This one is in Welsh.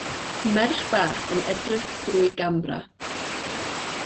Merch fach yn edrych drwy gamera.